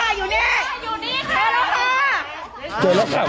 ผู้หญิงนี่ไงนี่ค่ะอยู่นี่อยู่นี่ค่ะเจอแล้วค่ะเจอแล้วค่ะ